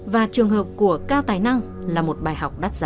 và trường hợp của cao tài năng là một bài học đắt giá